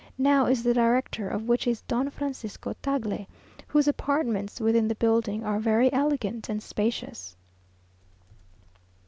now is, the director of which is Don Francisco Tagle, whose apartments within the building are very elegant and spacious.